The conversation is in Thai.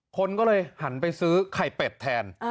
คนก็เลยหันไปซื้อไข่เป็ดแทน